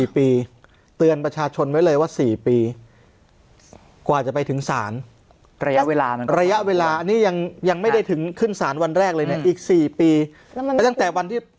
๔ปีเตือนประชาชนไว้เลยว่า๔ปีกว่าจะไปถึงศาลระยะเวลาอันนี้ยังไม่ได้ถึงขึ้นศาลวันแรกเลยเนี่ยอีก๔ปี